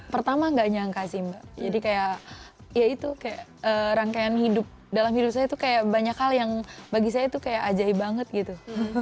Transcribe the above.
pertama nggak nyangka sih mbak jadi kayak ya itu kayak rangkaian hidup dalam hidup saya tuh kayak banyak hal yang bagi saya tuh kayak ajai banget gitu